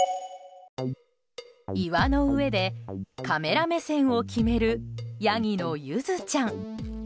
岩の上でカメラ目線を決めるヤギのゆずちゃん。